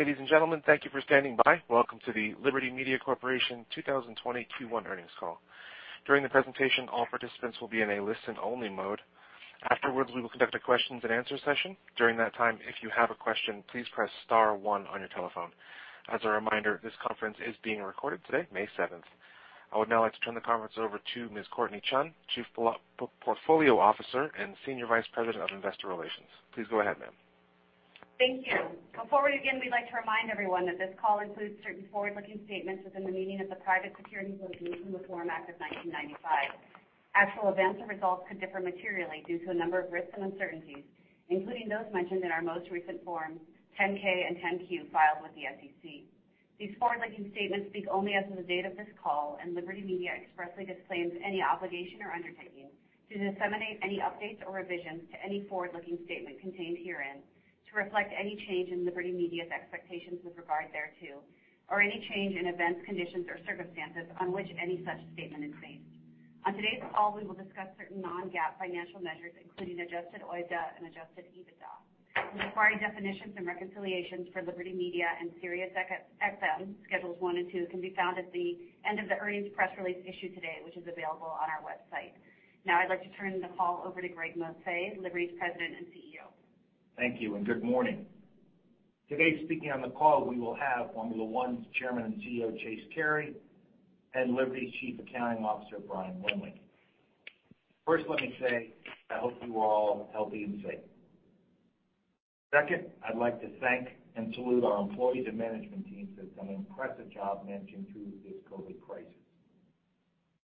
Ladies and gentlemen, thank you for standing by. Welcome to the Liberty Media Corporation 2020 Q1 earnings call. During the presentation, all participants will be in a listen-only mode. Afterwards, we will conduct a questions and answer session. During that time, if you have a question, please press star one on your telephone. As a reminder, this conference is being recorded today, May 7th. I would now like to turn the conference over to Ms. Courtnee Chun, Chief Portfolio Officer and Senior Vice President of Investor Relations. Please go ahead, ma'am. Thank you. Before we begin, we'd like to remind everyone that this call includes certain forward-looking statements within the meaning of the Private Securities Litigation Reform Act of 1995. Actual events or results could differ materially due to a number of risks and uncertainties, including those mentioned in our most recent forms, 10-K and 10-Q filed with the SEC. These forward-looking statements speak only as of the date of this call. Liberty Media expressly disclaims any obligation or undertaking to disseminate any updates or revisions to any forward-looking statement contained herein to reflect any change in Liberty Media's expectations with regard thereto, or any change in events, conditions, or circumstances on which any such statement is based. On today's call, we will discuss certain non-GAAP financial measures, including adjusted OIBDA and adjusted EBITDA. Required definitions and reconciliations for Liberty Media and SiriusXM, Schedules one and two, can be found at the end of the earnings press release issued today, which is available on our website. I'd like to turn the call over to Greg Maffei, Liberty's President and CEO. Thank you and good morning. Today, speaking on the call, we will have Formula One's Chairman and CEO, Chase Carey, and Liberty's Chief Accounting Officer, Brian Wendling. First, let me say, I hope you are all healthy and safe. Second, I'd like to thank and salute our employees and management team for doing an impressive job managing through this COVID-19 crisis.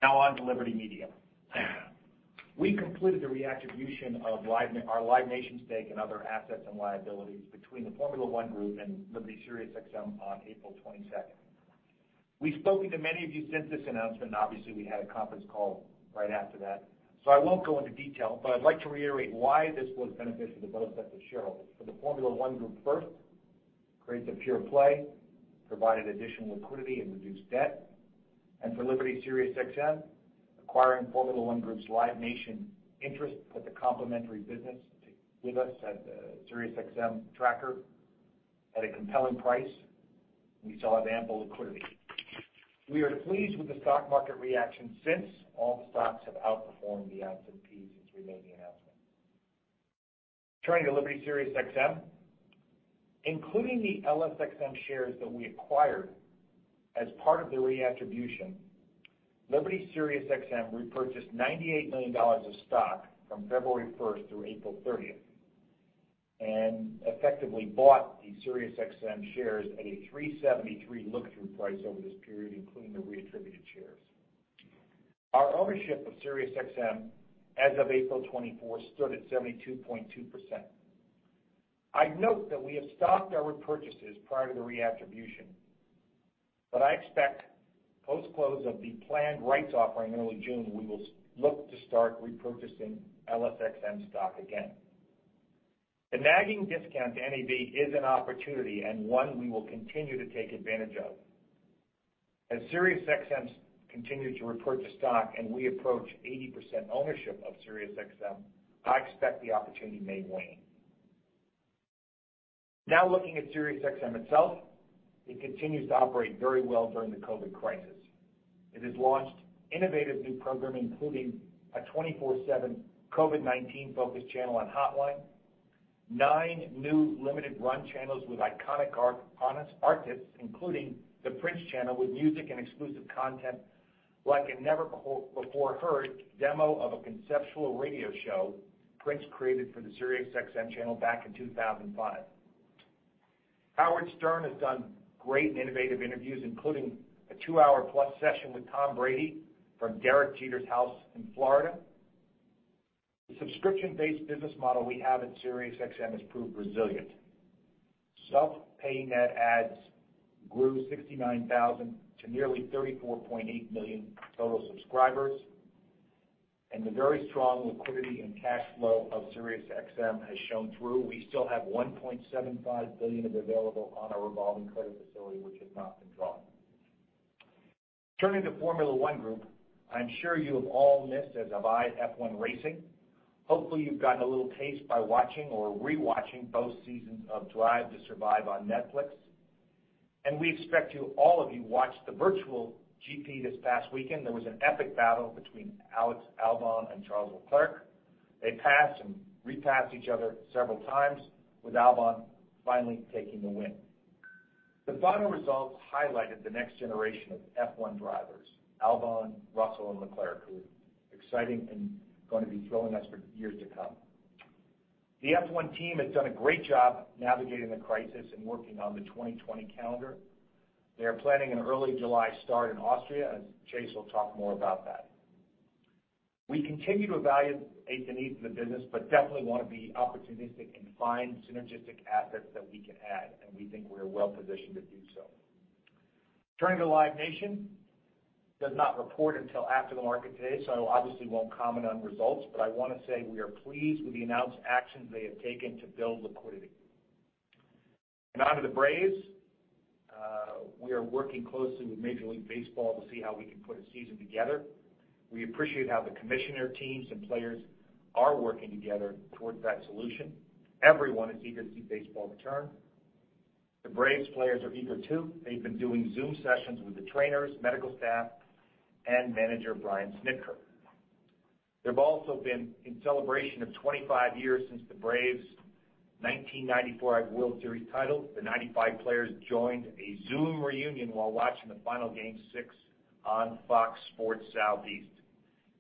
Now, on to Liberty Media. We completed the reattribution of our Live Nation stake and other assets and liabilities between the Formula One Group and Liberty SiriusXM on April 22nd. We've spoken to many of you since this announcement, and obviously, we had a conference call right after that, so I won't go into detail, but I'd like to reiterate why this was beneficial to both sets of shareholders. For the Formula One Group first, it creates a pure play, provided additional liquidity, and reduced debt. For Liberty SiriusXM, acquiring Formula One Group's Live Nation interest put the complementary business with us at the SiriusXM tracker at a compelling price. We still have ample liquidity. We are pleased with the stock market reaction since all the stocks have outperformed the S&P since we made the announcement. Turning to Liberty SiriusXM, including the LSXM shares that we acquired as part of the reattribution, Liberty SiriusXM repurchased $98 million of stock from February 1st through April 30th, and effectively bought the SiriusXM shares at a $373 look-through price over this period, including the reattributed shares. Our ownership of SiriusXM as of April 24 stood at 72.2%. I'd note that we have stopped our repurchases prior to the reattribution, but I expect post-close of the planned rights offering in early June, we will look to start repurchasing LSXM stock again. The nagging discount to NAV is an opportunity and one we will continue to take advantage of. As SiriusXM continues to report the stock and we approach 80% ownership of SiriusXM, I expect the opportunity may wane. Now, looking at SiriusXM itself, it continues to operate very well during the COVID crisis. It has launched innovative new programming, including a 24/7 COVID-19 focused channel on Hotline, nine new limited run channels with iconic artists, including the Prince Channel with music and exclusive content, like a never before heard demo of a conceptual radio show Prince created for the SiriusXM channel back in 2005. Howard Stern has done great innovative interviews, including a two-hour plus session with Tom Brady from Derek Jeter's house in Florida. The subscription-based business model we have at SiriusXM has proved resilient. Self-paying net adds grew 69,000 to nearly 34.8 million total subscribers. The very strong liquidity and cash flow of SiriusXM has shown through. We still have $1.75 billion available on our revolving credit facility, which has not been drawn. Turning to Formula One Group, I'm sure you have all missed, as have I, F1 racing. Hopefully, you've gotten a little taste by watching or rewatching both seasons of "Drive to Survive" on Netflix. We expect all of you watched the virtual GP this past weekend. There was an epic battle between Alex Albon and Charles Leclerc. They passed and repassed each other several times, with Albon finally taking the win. The final results highlighted the next generation of F1 drivers, Albon, Russell, and Leclerc, who are exciting and going to be thrilling us for years to come. The F1 team has done a great job navigating the crisis and working on the 2020 calendar. They are planning an early July start in Austria, as Chase will talk more about that. We continue to evaluate the needs of the business but definitely want to be opportunistic and find synergistic assets that we can add, and we think we're well positioned to do so. Turning to Live Nation, does not report until after the market today, so I obviously won't comment on results, but I want to say we are pleased with the announced actions they have taken to build liquidity. Onto the Braves. We are working closely with Major League Baseball to see how we can put a season together. We appreciate how the commissioner teams and players are working together towards that solution. Everyone is eager to see baseball return. The Braves players are eager, too. They've been doing Zoom sessions with the trainers, medical staff, and manager Brian Snitker. They've also been in celebration of 25 years since the Braves' 1994 World Series title. The 95 players joined a Zoom reunion while watching the final game six on FOX Sports Southeast.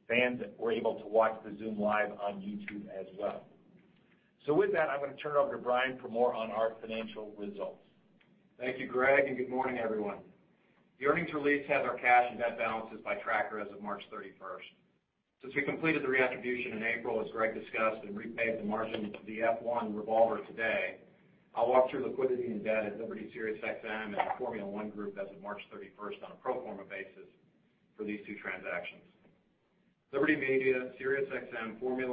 Fans were able to watch the Zoom live on YouTube as well. With that, I'm going to turn it over to Brian for more on our financial results. Thank you, Greg, and good morning, everyone. The earnings release has our cash and debt balances by tracker as of March 31st. Since we completed the reattribution in April, as Greg discussed, and repaid the margin of the F1 revolver today, I'll walk through liquidity and debt at Liberty SiriusXM and the Formula One Group as of March 31st on a pro forma basis for these two transactions. Liberty Media, SiriusXM, Formula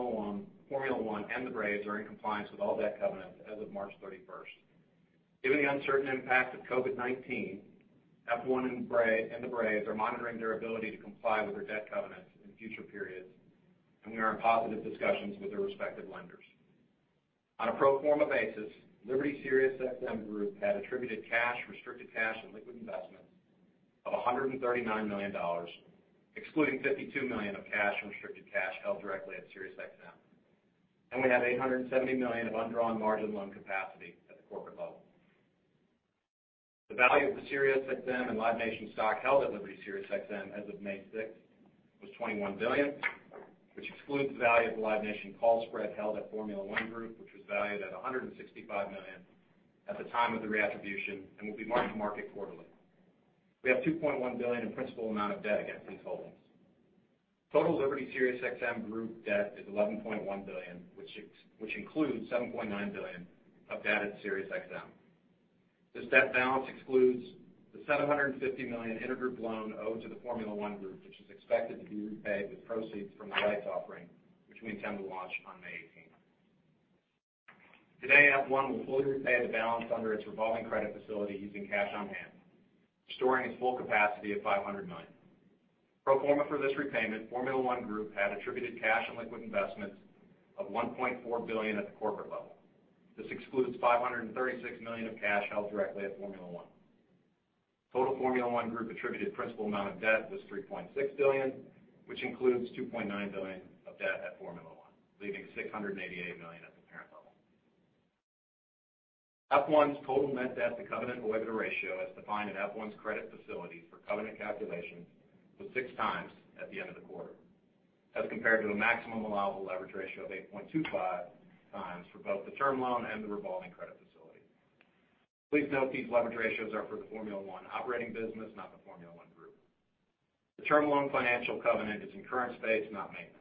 One, and the Braves are in compliance with all debt covenants as of March 31st. Given the uncertain impact of COVID-19, F1 and the Braves are monitoring their ability to comply with their debt covenants in future periods, and we are in positive discussions with their respective lenders. On a pro forma basis, Liberty SiriusXM Group had attributed cash, restricted cash, and liquid investments of $139 million, excluding $52 million of cash and restricted cash held directly at SiriusXM. We have $870 million of undrawn margin loan capacity at the corporate level. The value of the SiriusXM and Live Nation stock held at Liberty SiriusXM as of May 6th was $21 billion, which excludes the value of the Live Nation call spread held at Formula One Group, which was valued at $165 million at the time of the reattribution and will be marked to market quarterly. We have $2.1 billion in principal amount of debt against these holdings. Total Liberty SiriusXM Group debt is $11.1 billion, which includes $7.9 billion of debt at SiriusXM. This debt balance excludes the $750 million intergroup loan owed to the Formula One Group, which is expected to be repaid with proceeds from the rights offering, which we intend to launch on May 18th. Today, F1 will fully repay the balance under its revolving credit facility using cash on hand, restoring its full capacity of $500 million. Pro forma for this repayment, Formula One Group had attributed cash and liquid investments of $1.4 billion at the corporate level. This excludes $536 million of cash held directly at Formula One. Total Formula One Group attributed principal amount of debt was $3.6 billion, which includes $2.9 billion of debt at Formula One, leaving $688 million at the parent level. F1's total net debt to covenant-to-EBITDA ratio, as defined in F1's credit facility for covenant calculations, was 6x at the end of the quarter, as compared to the maximum allowable leverage ratio of 8.25x for both the term loan and the revolving credit facility. Please note these leverage ratios are for the Formula One operating business, not the Formula One Group. The term loan financial covenant is in current state, not maintenance.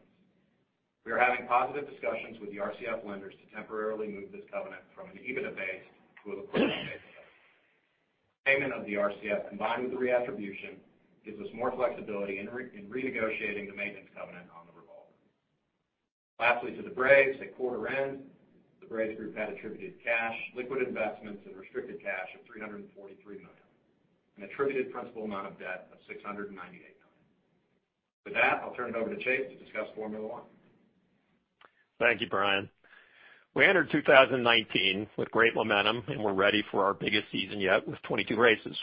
We are having positive discussions with the RCF lenders to temporarily move this covenant from an EBITDA base to a base. Payment of the RCF, combined with the reattribution, gives us more flexibility in renegotiating the maintenance covenant on the revolver. Lastly to the Braves, at quarter end, the Braves Group had attributed cash, liquid investments, and restricted cash of $343 million, and attributed principal amount of debt of $698 million. With that, I'll turn it over to Chase to discuss Formula One. Thank you, Brian. We entered 2019 with great momentum, and we're ready for our biggest season yet with 22 races.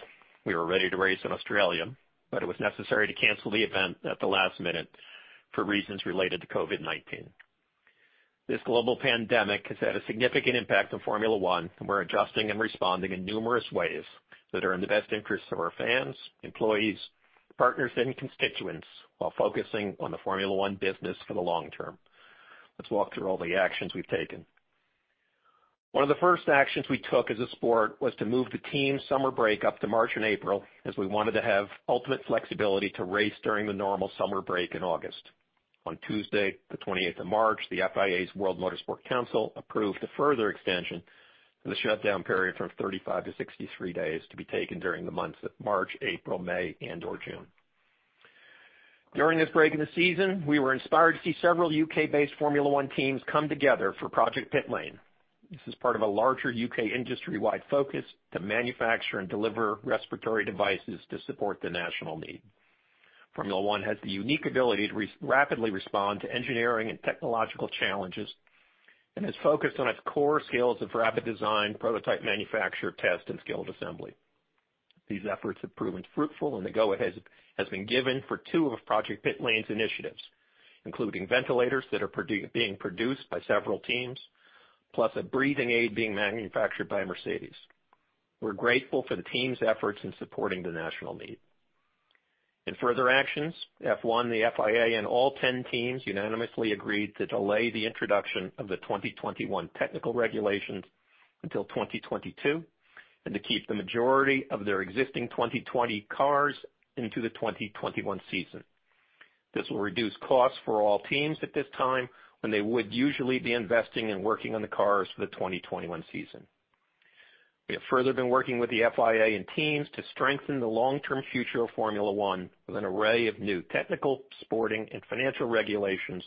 We were ready to race in Australia, but it was necessary to cancel the event at the last minute for reasons related to COVID-19. This global pandemic has had a significant impact on Formula One, and we're adjusting and responding in numerous ways that are in the best interests of our fans, employees, partners, and constituents while focusing on the Formula One business for the long term. Let's walk through all the actions we've taken. One of the first actions we took as a sport was to move the team summer break up to March and April, as we wanted to have ultimate flexibility to race during the normal summer break in August. On Tuesday the 28th of March, the FIA's World Motor Sport Council approved a further extension of the shutdown period from 35-63 days to be taken during the months of March, April, May, and/or June. During this break in the season, we were inspired to see several U.K.-based Formula One teams come together for Project Pitlane. This is part of a larger U.K. industry-wide focus to manufacture and deliver respiratory devices to support the national need. Formula One has the unique ability to rapidly respond to engineering and technological challenges, and is focused on its core skills of rapid design, prototype manufacture, test, and skilled assembly. These efforts have proven fruitful, and the go-ahead has been given for two of Project Pitlane's initiatives, including ventilators that are being produced by several teams, plus a breathing aid being manufactured by Mercedes. We're grateful for the team's efforts in supporting the national need. In further actions, F1, the FIA, and all 10 teams unanimously agreed to delay the introduction of the 2021 technical regulations until 2022 and to keep the majority of their existing 2020 cars into the 2021 season. This will reduce costs for all teams at this time when they would usually be investing and working on the cars for the 2021 season. We have further been working with the FIA and teams to strengthen the long-term future of Formula One with an array of new technical, sporting, and financial regulations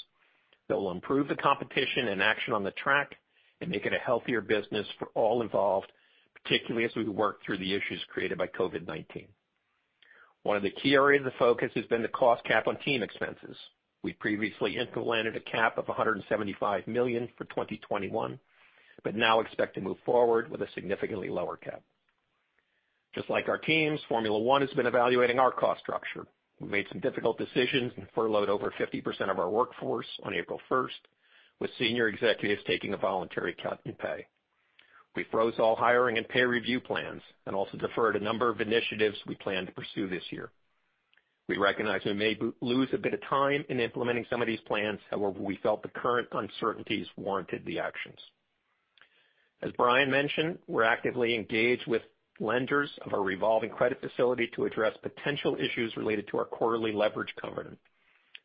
that will improve the competition and action on the track and make it a healthier business for all involved, particularly as we work through the issues created by COVID-19. One of the key areas of focus has been the cost cap on team expenses. We previously implemented a cap of $175 million for 2021, now expect to move forward with a significantly lower cap. Just like our teams, Formula One has been evaluating our cost structure. We made some difficult decisions and furloughed over 50% of our workforce on April 1st, with senior executives taking a voluntary cut in pay. We froze all hiring and pay review plans and also deferred a number of initiatives we planned to pursue this year. We recognize we may lose a bit of time in implementing some of these plans. However, we felt the current uncertainties warranted the actions. As Brian mentioned, we're actively engaged with lenders of our revolving credit facility to address potential issues related to our quarterly leverage covenant.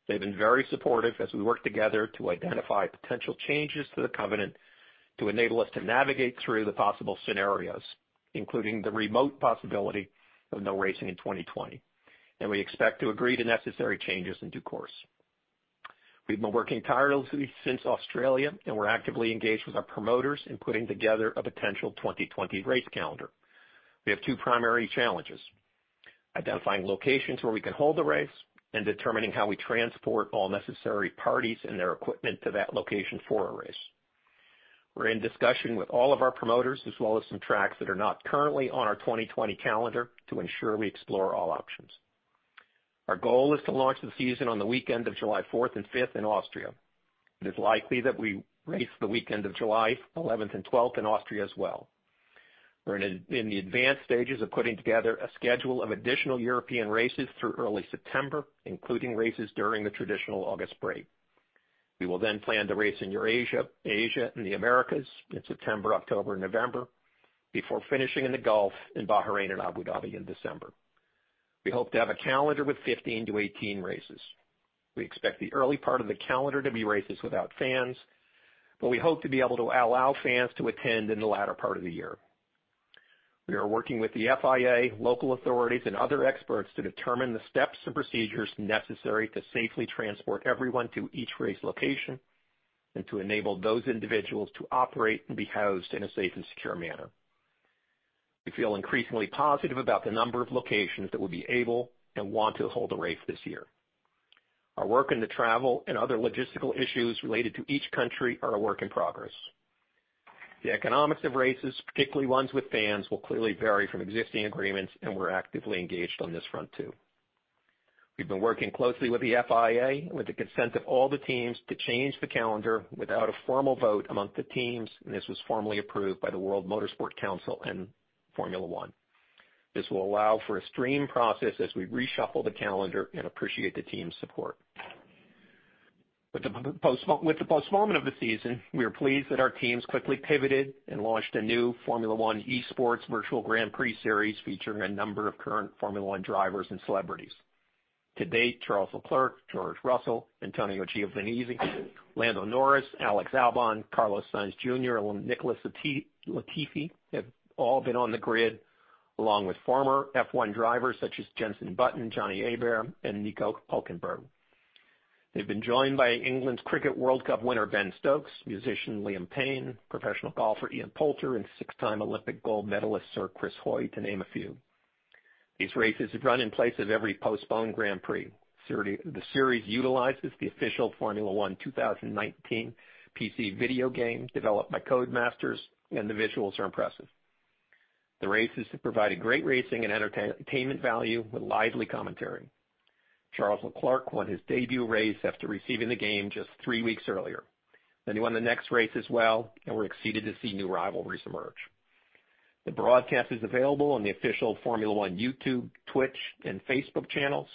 They've been very supportive as we work together to identify potential changes to the covenant to enable us to navigate through the possible scenarios, including the remote possibility of no racing in 2020. We expect to agree to necessary changes in due course. We've been working tirelessly since Australia. We're actively engaged with our promoters in putting together a potential 2020 race calendar. We have two primary challenges: identifying locations where we can hold the race and determining how we transport all necessary parties and their equipment to that location for a race. We're in discussion with all of our promoters as well as some tracks that are not currently on our 2020 calendar to ensure we explore all options. Our goal is to launch the season on the weekend of July 4th and 5th in Austria. It is likely that we race the weekend of July 11th and 12th in Austria as well. We're in the advanced stages of putting together a schedule of additional European races through early September, including races during the traditional August break. We will plan to race in Eurasia, Asia, and the Americas in September, October, and November before finishing in the Gulf, in Bahrain and Abu Dhabi in December. We hope to have a calendar with 15-18 races. We expect the early part of the calendar to be races without fans, but we hope to be able to allow fans to attend in the latter part of the year. We are working with the FIA, local authorities, and other experts to determine the steps and procedures necessary to safely transport everyone to each race location and to enable those individuals to operate and be housed in a safe and secure manner. We feel increasingly positive about the number of locations that will be able and want to hold a race this year. Our work in the travel and other logistical issues related to each country are a work in progress. The economics of races, particularly ones with fans, will clearly vary from existing agreements, and we're actively engaged on this front too. We've been working closely with the FIA with the consent of all the teams to change the calendar without a formal vote among the teams, and this was formally approved by the World Motor Sport Council and Formula One. This will allow for a stream process as we reshuffle the calendar and appreciate the team's support. With the postponement of the season, we are pleased that our teams quickly pivoted and launched a new Formula One esports Virtual Grand Prix series featuring a number of current Formula One drivers and celebrities. To date, Charles Leclerc, George Russell, Antonio Giovinazzi, Lando Norris, Alex Albon, Carlos Sainz Jr, and Nicholas Latifi have all been on the grid, along with former F1 drivers such as Jenson Button, Johnny Herbert, and Nico Hülkenberg. They've been joined by England's Cricket World Cup winner Ben Stokes, musician Liam Payne, professional golfer Ian Poulter, and six-time Olympic gold medalist Sir Chris Hoy, to name a few. These races run in place of every postponed Grand Prix. The series utilizes the official Formula One 2019 PC video game developed by Codemasters, and the visuals are impressive. The races have provided great racing and entertainment value with lively commentary. Charles Leclerc won his debut race after receiving the game just three weeks earlier. He won the next race as well, and we're excited to see new rivalries emerge. The broadcast is available on the official Formula One YouTube, Twitch, and Facebook channels,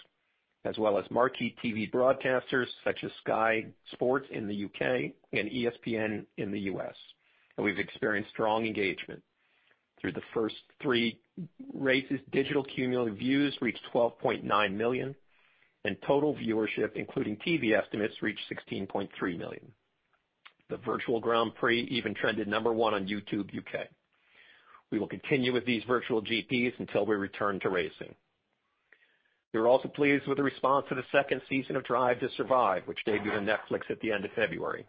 as well as marquee TV broadcasters such as Sky Sports in the U.K. and ESPN in the U.S. We've experienced strong engagement. Through the first three races, digital cumulative views reached 12.9 million, and total viewership, including TV estimates, reached 16.3 million. The Virtual Grand Prix even trended number one on YouTube U.K. We will continue with these Virtual GPs until we return to racing. We were also pleased with the response to the second season of "Drive to Survive," which debuted on Netflix at the end of February.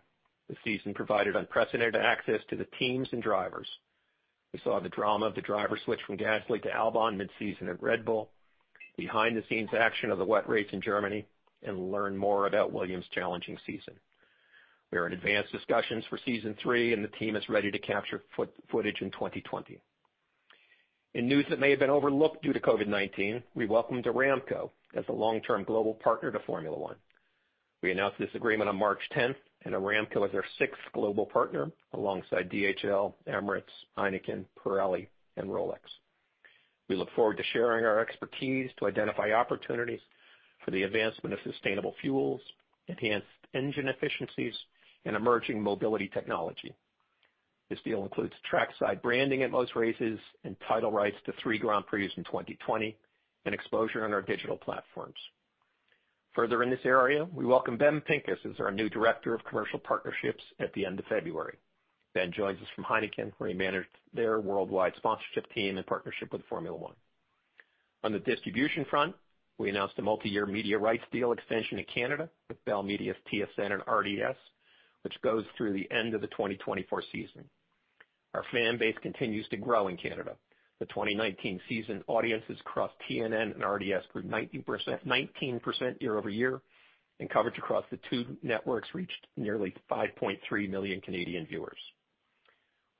The season provided unprecedented access to the teams and drivers. We saw the drama of the driver switch from Gasly to Albon mid-season at Red Bull, behind-the-scenes action of the wet race in Germany, and learned more about Williams' challenging season. We are in advanced discussions for season three, and the team is ready to capture footage in 2020. In news that may have been overlooked due to COVID-19, we welcomed Aramco as a long-term global partner to Formula One. We announced this agreement on March 10th, and Aramco is our sixth global partner alongside DHL, Emirates, Heineken, Pirelli, and Rolex. We look forward to sharing our expertise to identify opportunities for the advancement of sustainable fuels, enhanced engine efficiencies, and emerging mobility technology. This deal includes track-side branding at most races and title rights to three Grand Prix in 2020, and exposure on our digital platforms. Further in this area, we welcome Ben Pincus as our new director of commercial partnerships at the end of February. Ben joins us from Heineken, where he managed their worldwide sponsorship team in partnership with Formula One. On the distribution front, we announced a multi-year media rights deal extension in Canada with Bell Media's TSN and RDS, which goes through the end of the 2024 season. Our fan base continues to grow in Canada. The 2019 season audiences across TSN and RDS grew 19% year-over-year, and coverage across the two networks reached nearly 5.3 million Canadian viewers.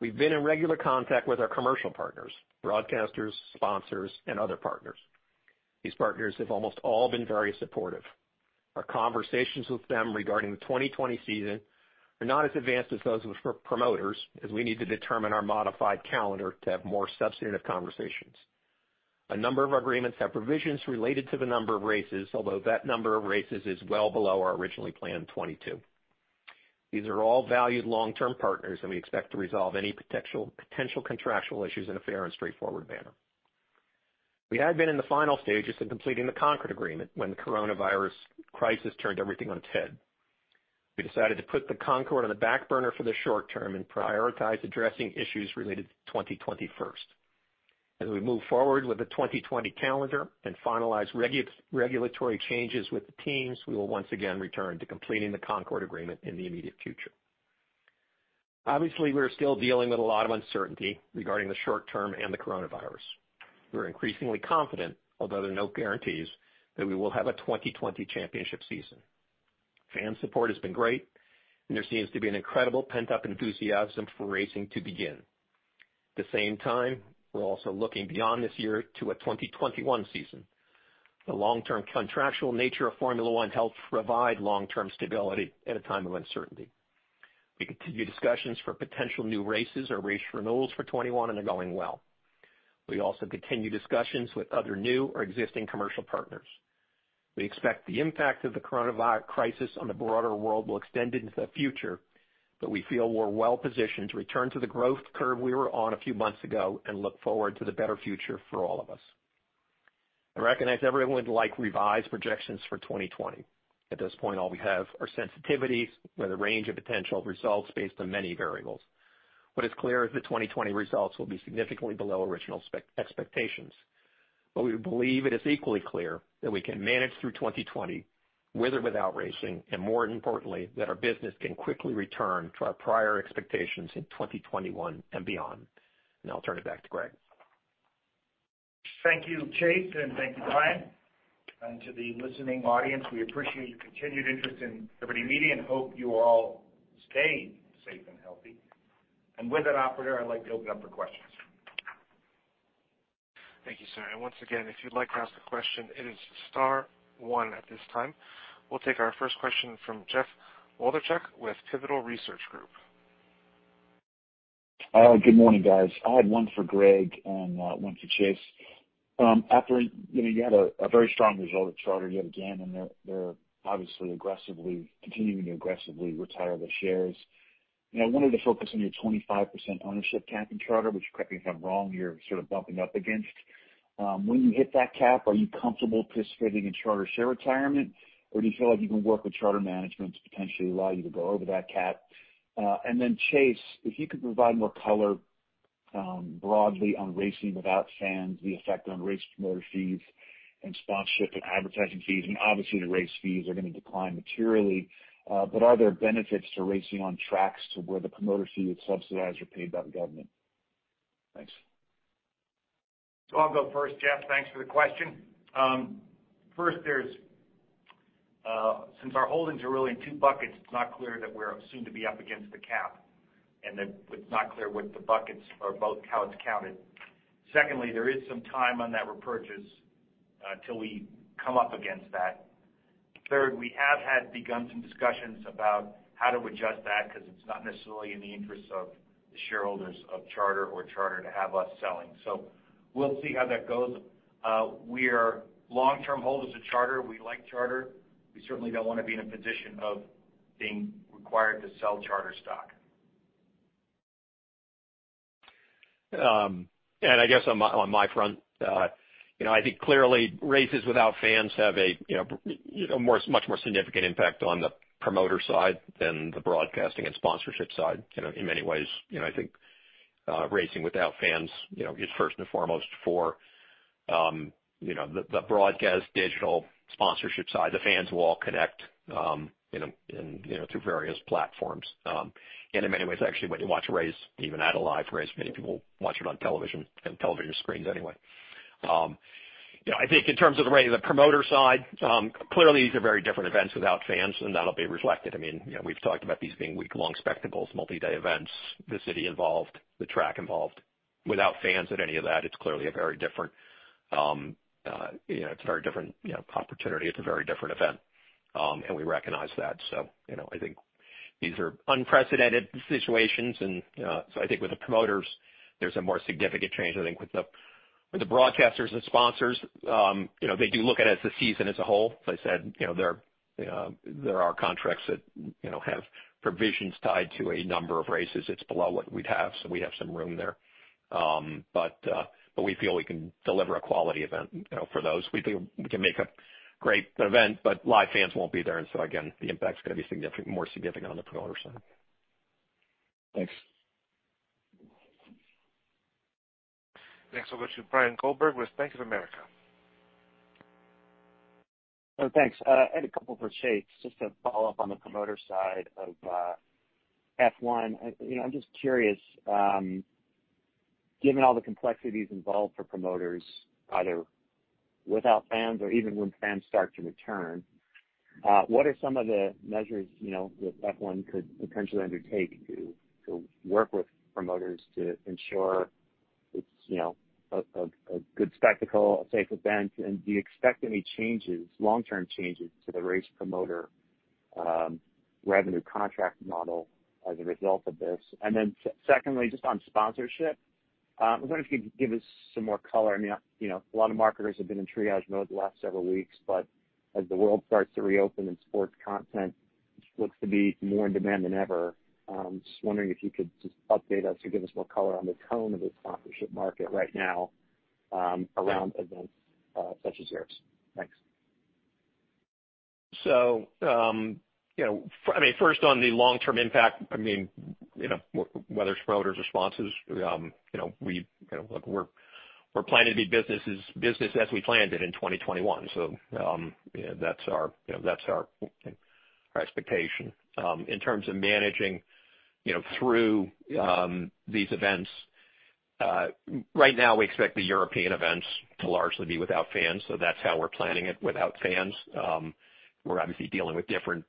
We've been in regular contact with our commercial partners, broadcasters, sponsors, and other partners. These partners have almost all been very supportive. Our conversations with them regarding the 2020 season are not as advanced as those with promoters, as we need to determine our modified calendar to have more substantive conversations. A number of our agreements have provisions related to the number of races, although that number of races is well below our originally planned 22. These are all valued long-term partners, and we expect to resolve any potential contractual issues in a fair and straightforward manner. We had been in the final stages of completing the Concorde Agreement when the coronavirus crisis turned everything on its head. We decided to put the Concord on the back burner for the short term and prioritize addressing issues related to 2020 first. As we move forward with the 2020 calendar and finalize regulatory changes with the teams, we will once again return to completing the Concorde Agreement in the immediate future. Obviously, we are still dealing with a lot of uncertainty regarding the short term and the coronavirus. We're increasingly confident, although there are no guarantees, that we will have a 2020 championship season. Fan support has been great, and there seems to be an incredible pent-up enthusiasm for racing to begin. At the same time, we're also looking beyond this year to a 2021 season. The long-term contractual nature of Formula One helps provide long-term stability at a time of uncertainty. We continue discussions for potential new races or race renewals for '21, and they're going well. We also continue discussions with other new or existing commercial partners. We expect the impact of the coronavirus crisis on the broader world will extend into the future, but we feel we're well-positioned to return to the growth curve we were on a few months ago and look forward to the better future for all of us. I recognize everyone would like revised projections for 2020. At this point, all we have are sensitivities with a range of potential results based on many variables. What is clear is the 2020 results will be significantly below original expectations. We believe it is equally clear that we can manage through 2020, with or without racing, and more importantly, that our business can quickly return to our prior expectations in 2021 and beyond. I'll turn it back to Greg. Thank you, Chase, and thank you, Brian. To the listening audience, we appreciate your continued interest in Liberty Media and hope you all stay safe and healthy. With that, Operator, I'd like to open up for questions. Thank you, sir. Once again, if you'd like to ask a question, it is star one at this time. We'll take our first question from Jeff Wlodarczak with Pivotal Research Group. Good morning, guys. I had one for Greg and one for Chase. You had a very strong result at Charter yet again, and they're obviously continuing to aggressively retire their shares. I wanted to focus on your 25% ownership cap in Charter, which, correct me if I'm wrong, you're sort of bumping up against. When you hit that cap, are you comfortable participating in Charter share retirement? Do you feel like you can work with Charter management to potentially allow you to go over that cap? Then Chase, if you could provide more color broadly on racing without fans, the effect on race promoter fees and sponsorship and advertising fees. Obviously, the race fees are going to decline materially. Are there benefits to racing on tracks to where the promoter fee is subsidized or paid by the government? Thanks. I'll go first, Jeff. Thanks for the question. First, since our holdings are really in two buckets, it's not clear that we're soon to be up against the cap, and it's not clear with the buckets or both how it's counted. Secondly, there is some time on that repurchase until we come up against that. Third, we have begun some discussions about how to adjust that because it's not necessarily in the interest of the shareholders of Charter or Charter to have us selling. We'll see how that goes. We are long-term holders of Charter. We like Charter. We certainly don't want to be in a position of being required to sell Charter stock. I guess on my front, I think clearly races without fans have a much more significant impact on the promoter side than the broadcasting and sponsorship side in many ways. I think racing without fans is first and foremost for the broadcast, digital, sponsorship side. The fans will all connect through various platforms. In many ways, actually, when you watch a race, even at a live race, many people watch it on television and television screens anyway. I think in terms of the promoter side, clearly these are very different events without fans, and that'll be reflected. We've talked about these being week-long spectacles, multi-day events, the city involved, the track involved. Without fans at any of that, it's clearly a very different opportunity. It's a very different event, and we recognize that. I think these are unprecedented situations, I think with the promoters, there's a more significant change. I think with the broadcasters and sponsors, they do look at it as the season as a whole. As I said, there are contracts that have provisions tied to a number of races. It's below what we'd have, we'd have some room there. We feel we can deliver a quality event for those. We can make a great event, live fans won't be there, again, the impact's going to be more significant on the promoter side. Thanks. Next, I'll go to Bryan Goldberg with Bank of America. Oh, thanks. I had a couple for Chase, just to follow up on the promoter side of F1. I'm just curious, given all the complexities involved for promoters, either without fans or even when fans start to return, what are some of the measures that F1 could potentially undertake to work with promoters to ensure it's a good spectacle, a safe event? Do you expect any changes, long-term changes, to the race promoter revenue contract model as a result of this? Secondly, just on sponsorship, I was wondering if you could give us some more color. I mean, a lot of marketers have been in triage mode the last several weeks, as the world starts to reopen and sports content looks to be more in demand than ever, I'm just wondering if you could just update us or give us more color on the tone of the sponsorship market right now around events such as yours. Thanks. First on the long-term impact, whether it's promoters' responses, we're planning to be business as we planned it in 2021. That's our expectation. In terms of managing through these events, right now we expect the European events to largely be without fans, so that's how we're planning it, without fans. We're obviously dealing with different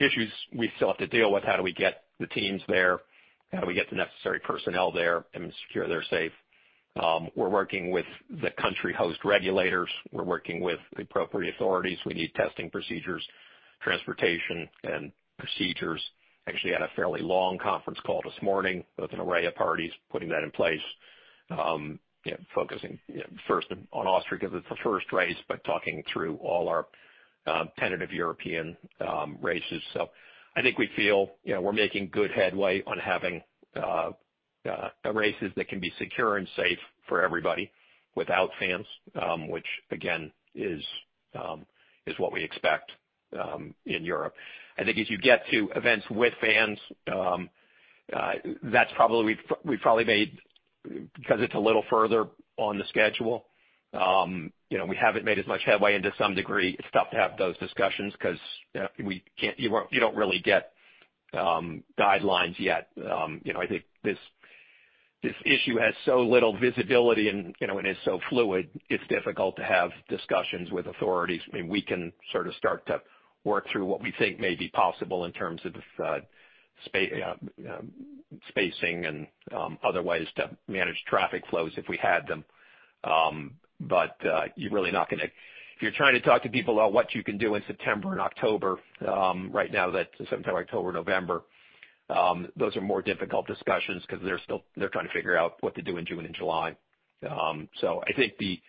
issues. We still have to deal with how do we get the teams there, how do we get the necessary personnel there, and secure they're safe. We're working with the country host regulators. We're working with the appropriate authorities. We need testing procedures, transportation, and procedures. We actually had a fairly long conference call this morning with an array of parties putting that in place. Focusing first on Austria, because it's the first race, but talking through all our tentative European races. I think we feel we're making good headway on having races that can be secure and safe for everybody without fans, which again, is what we expect in Europe. I think as you get to events with fans, because it's a little further on the schedule, we haven't made as much headway. To some degree, it's tough to have those discussions because you don't really get guidelines yet. I think this issue has so little visibility and it is so fluid, it's difficult to have discussions with authorities. I mean, we can sort of start to work through what we think may be possible in terms of spacing and other ways to manage traffic flows if we had them. If you're trying to talk to people about what you can do in September and October right now, that September, October, November, those are more difficult discussions because they're trying to figure out what to do in June and July. I think the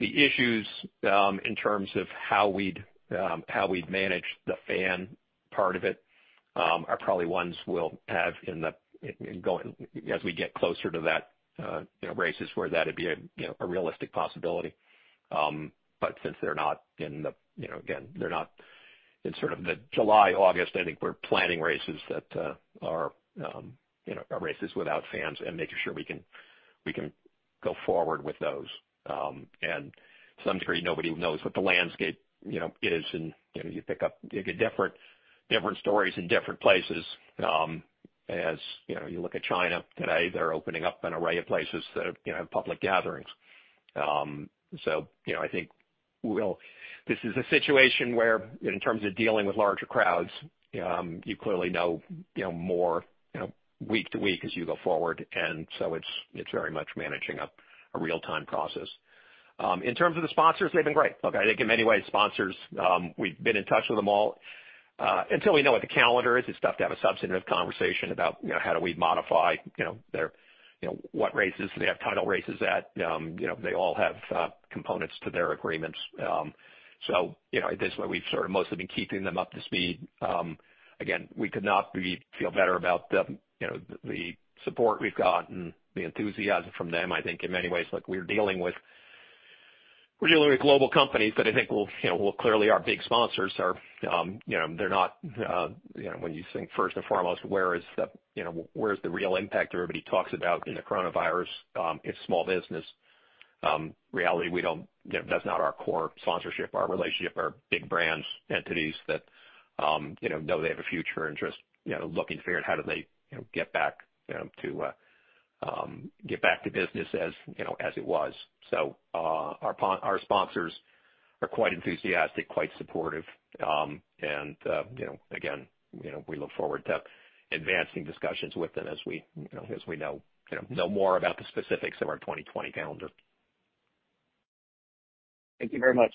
issues, in terms of how we'd manage the fan part of it, are probably ones we'll have as we get closer to that, races where that'd be a realistic possibility. Since they're not in sort of the July, August, I think we're planning races that are races without fans and making sure we can go forward with those. To some degree, nobody knows what the landscape is, and you get different stories in different places. As you look at China today, they're opening up an array of places that have public gatherings. I think this is a situation where, in terms of dealing with larger crowds, you clearly know more week to week as you go forward, it's very much managing a real-time process. In terms of the sponsors, they've been great. Look, I think in many ways, sponsors, we've been in touch with them all. Until we know what the calendar is, it's tough to have a substantive conversation about how do we modify what races they have title races at. They all have components to their agreements. At this point, we've sort of mostly been keeping them up to speed. Again, we could not feel better about the support we've got and the enthusiasm from them. I think in many ways, we're dealing with global companies, but I think, well, clearly our big sponsors, when you think first and foremost, where is the real impact everybody talks about in the coronavirus? It's small business. In reality, that's not our core sponsorship. Our relationship are big brands, entities that know they have a future and just looking forward, how do they get back to business as it was. Our sponsors are quite enthusiastic, quite supportive. Again, we look forward to advancing discussions with them as we know more about the specifics of our 2020 calendar. Thank you very much.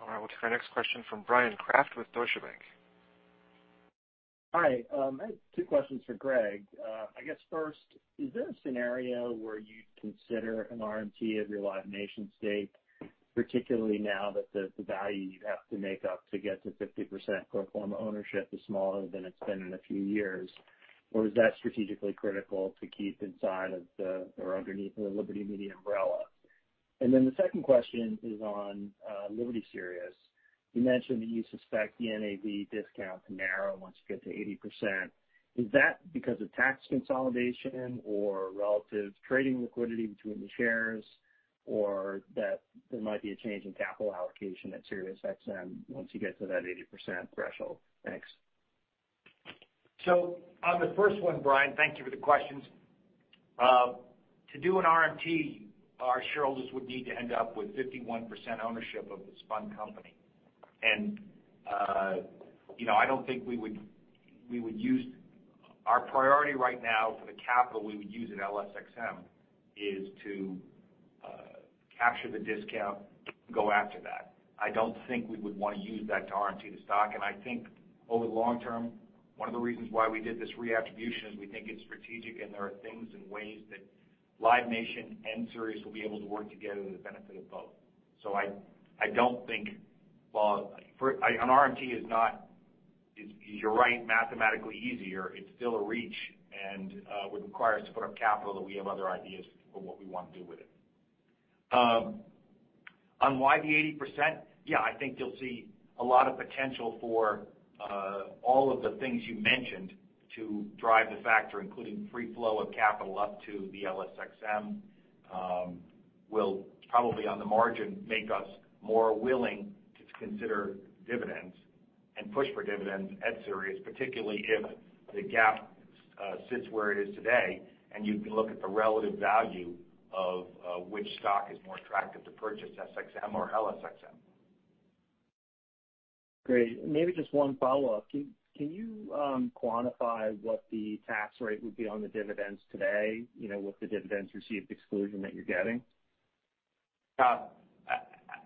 All right. We'll take our next question from Bryan Kraft with Deutsche Bank. Hi. I have two questions for Greg. I guess first, is there a scenario where you'd consider an RMT of your Live Nation stake, particularly now that the value you'd have to make up to get to 50% pro forma ownership is smaller than it's been in a few years? Is that strategically critical to keep inside of the, or underneath the Liberty Media umbrella? The second question is on Liberty Sirius. You mentioned that you suspect the NAV discount to narrow once you get to 80%. Is that because of tax consolidation or relative trading liquidity between the shares, or that there might be a change in capital allocation at SiriusXM once you get to that 80% threshold? Thanks. On the first one, Bryan, thank you for the questions. To do an RMT, our shareholders would need to end up with 51% ownership of the spun company. Our priority right now for the capital we would use at LSXM is to capture the discount and go after that. I don't think we would want to use that to RMT the stock. I think over the long term, one of the reasons why we did this reattribution is we think it's strategic and there are things and ways that Live Nation and SiriusXM will be able to work together to the benefit of both. I don't think an RMT is not, you're right, mathematically easier. It's still a reach and would require us to put up capital that we have other ideas for what we want to do with it. On why the 80%, I think you'll see a lot of potential for all of the things you mentioned to drive the factor, including free flow of capital up to the LSXM, will probably on the margin, make us more willing to consider dividends and push for dividends at Sirius, particularly if the gap sits where it is today, and you can look at the relative value of which stock is more attractive to purchase, SXM or LSXM. Great. Maybe just one follow-up. Can you quantify what the tax rate would be on the dividends today? With the dividends received exclusion that you're getting?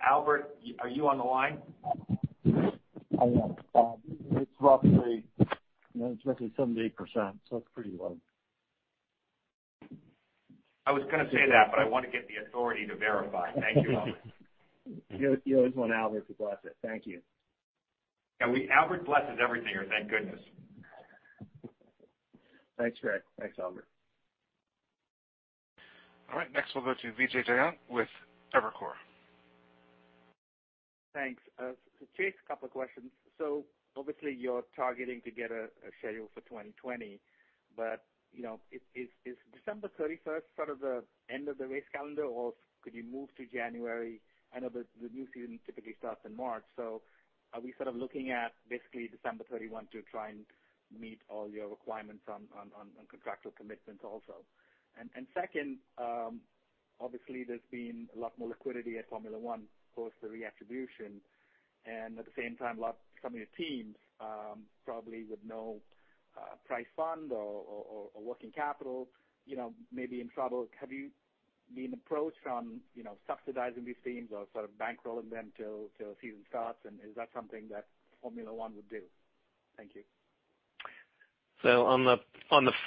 Albert, are you on the line? I am. It's roughly 78%, so it's pretty low. I was going to say that, but I want to get the authority to verify. Thank you, Albert. You always want Albert to bless it. Thank you. Yeah, Albert blesses everything here, thank goodness. Thanks, Greg. Thanks, Albert. All right, next we'll go to Vijay Jayant with Evercore. Thanks. Chase, a couple of questions. Obviously you're targeting to get a schedule for 2020, but is December 31st sort of the end of the race calendar, or could you move to January? I know the new season typically starts in March. Are we sort of looking at basically December 31 to try and meet all your requirements on contractual commitments also? Second, obviously there's been a lot more liquidity at Formula One, post the reattribution. At the same time, a lot of some of your teams, probably with no price fund or working capital, may be in trouble. Have you been approached on subsidizing these teams or sort of bankrolling them till season starts, and is that something that Formula One would do? Thank you. On the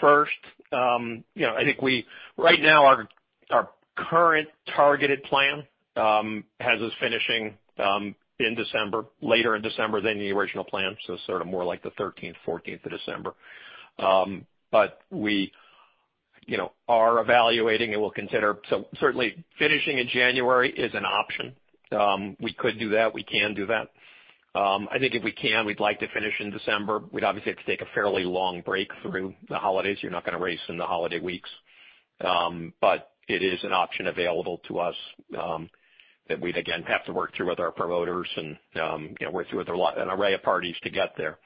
first, I think right now our current targeted plan has us finishing in December, later in December than the original plan, sort of more like the 13th, 14th of December. We are evaluating and will consider. Certainly finishing in January is an option. We could do that. We can do that. I think if we can, we'd like to finish in December. We'd obviously have to take a fairly long break through the holidays. You're not going to race in the holiday weeks. It is an option available to us, that we'd again have to work through with our promoters and work through with an array of parties to get there.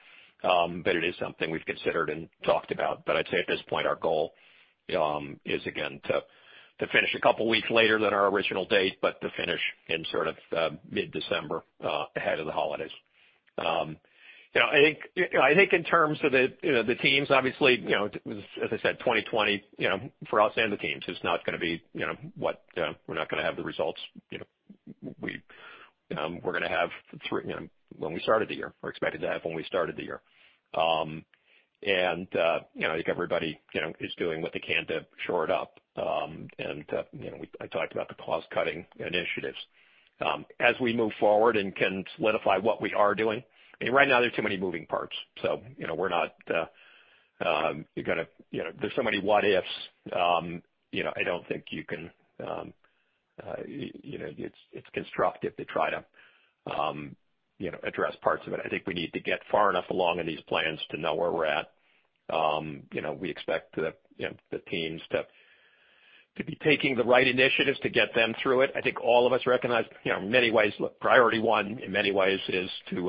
It is something we've considered and talked about. I'd say at this point, our goal is, again, to finish a couple of weeks later than our original date, but to finish in sort of mid-December, ahead of the holidays. I think in terms of the teams, obviously, as I said, 2020, for us and the teams, we're not going to have the results we're going to have when we started the year, or expected to have when we started the year. I think everybody is doing what they can to shore it up. I talked about the cost-cutting initiatives. As we move forward and can solidify what we are doing. Right now there are too many moving parts. There's so many what ifs, I don't think it's constructive to try to address parts of it. I think we need to get far enough along in these plans to know where we're at. We expect the teams to be taking the right initiatives to get them through it. I think all of us recognize, priority one in many ways is to,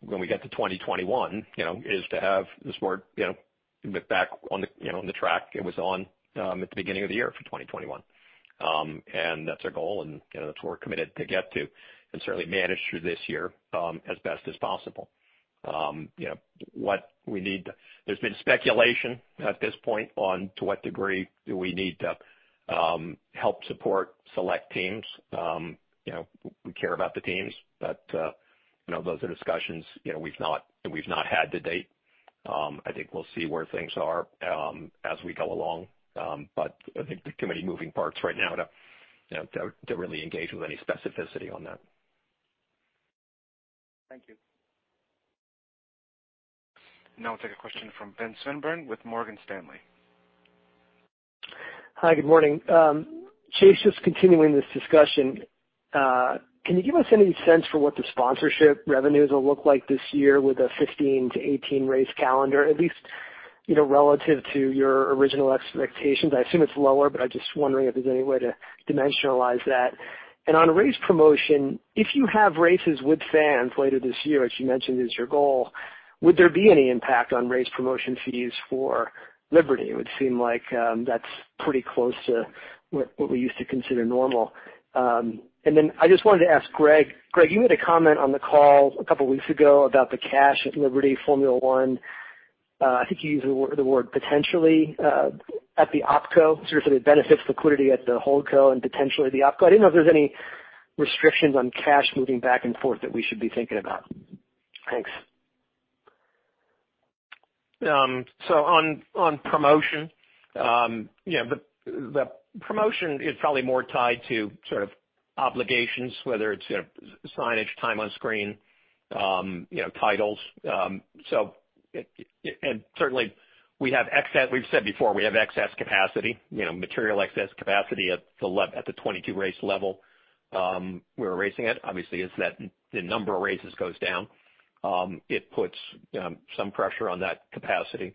when we get to 2021, is to have the sport back on the track it was on at the beginning of the year for 2021. That's our goal and that's what we're committed to get to, and certainly manage through this year as best as possible. There's been speculation at this point on to what degree do we need to help support select teams. We care about the teams, but those are discussions we've not had to date. I think we'll see where things are as we go along. I think there are too many moving parts right now to really engage with any specificity on that. Thank you. Now we'll take a question from Ben Swinburne with Morgan Stanley. Hi, good morning. Chase, just continuing this discussion, can you give us any sense for what the sponsorship revenues will look like this year with a 15-18 race calendar, at least relative to your original expectations? I assume it's lower, but I'm just wondering if there's any way to dimensionalize that. On race promotion, if you have races with fans later this year, which you mentioned is your goal, would there be any impact on race promotion fees for Liberty? It would seem like that's pretty close to what we used to consider normal. I just wanted to ask Greg. Greg, you made a comment on the call a couple weeks ago about the cash at Liberty Formula One. I think you used the word potentially at the OpCo, sort of the benefits of liquidity at the HoldCo and potentially the OpCo. I didn't know if there's any restrictions on cash moving back and forth that we should be thinking about. Thanks. On promotion, the promotion is probably more tied to sort of obligations, whether it's signage, time on screen, titles. Certainly, we've said before, we have excess capacity, material excess capacity at the 22 race level. We're racing it. Obviously, as the number of races goes down, it puts some pressure on that capacity.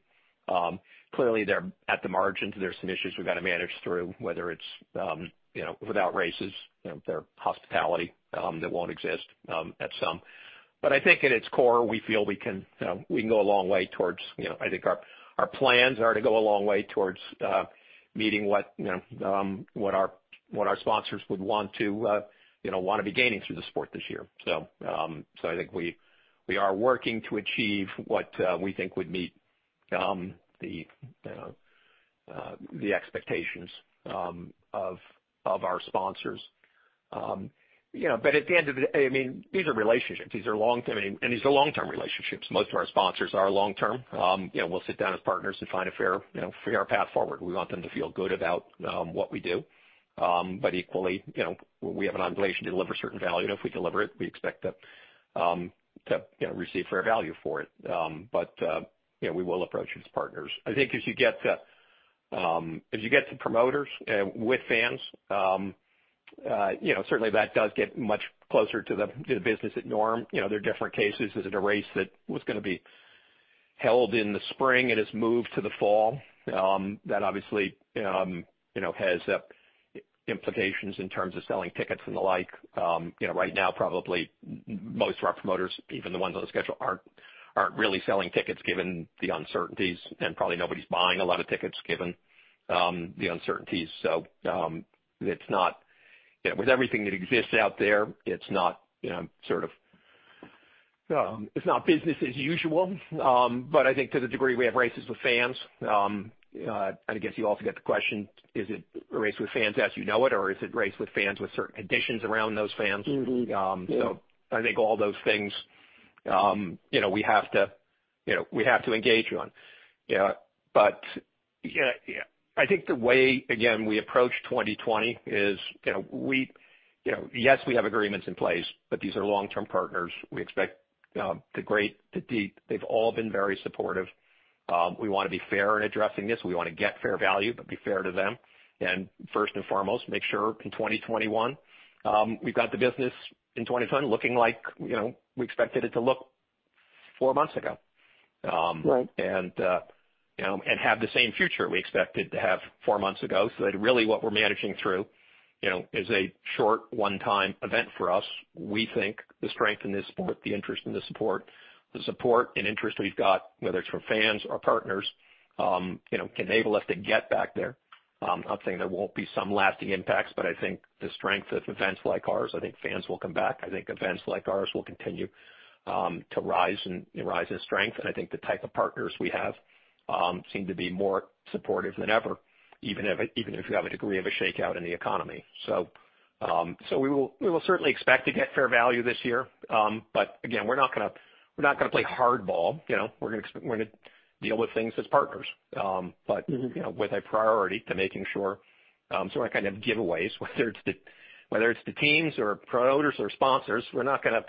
Clearly, at the margins, there's some issues we've got to manage through, whether it's without races, there are hospitality that won't exist at some. I think at its core, I think our plans are to go a long way towards meeting what our sponsors would want to be gaining through the sport this year. I think we are working to achieve what we think would meet the expectations of our sponsors. At the end of the day, these are relationships, these are long-term, and these are long-term relationships. Most of our sponsors are long-term. We'll sit down as partners and find a fair path forward. We want them to feel good about what we do. Equally, we have an obligation to deliver certain value, and if we deliver it, we expect to receive fair value for it. We will approach it as partners. I think as you get to promoters with fans, certainly that does get much closer to the business at norm. There are different cases. Is it a race that was going to be held in the spring and has moved to the fall? That obviously has implications in terms of selling tickets and the like. Right now, probably most of our promoters, even the ones on the schedule, aren't really selling tickets given the uncertainties, and probably nobody's buying a lot of tickets given the uncertainties. With everything that exists out there, it's not business as usual. I think to the degree we have races with fans, and I guess you also get the question, is it a race with fans as you know it, or is it race with fans with certain conditions around those fans? Mm-hmm. Yeah. I think all those things we have to engage on. I think the way, again, we approach 2020 is, yes, we have agreements in place, but these are long-term partners. We expect to integrate deeply. They've all been very supportive. We want to be fair in addressing this. We want to get fair value, but be fair to them. First and foremost, make sure in 2021, we've got the business in 2021 looking like we expected it to look four months ago. Right. Have the same future we expected to have four months ago. That really what we're managing through is a short one-time event for us. We think the strength in this sport, the interest and the support we've got, whether it's from fans or partners, enable us to get back there. I'm not saying there won't be some lasting impacts, but I think the strength of events like ours, I think fans will come back. I think events like ours will continue to rise in strength, and I think the type of partners we have seem to be more supportive than ever, even if you have a degree of a shakeout in the economy. We will certainly expect to get fair value this year. Again, we're not going to play hardball. We're going to deal with things as partners. With a priority to making sure there's no kind of giveaways, whether it's the teams or promoters or sponsors. We're not going